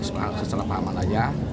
yur murni ini kesalahpahaman saja